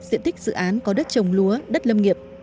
diện tích dự án có đất trồng lúa đất lâm nghiệp